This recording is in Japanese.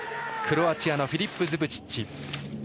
クロアチアのフィリップ・ズブチッチ。